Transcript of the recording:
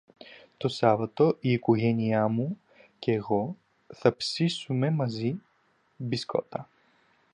Το Σάββατο, η οικογένειά μου και εγώ θα ψήσουμε μαζί μπισκότα.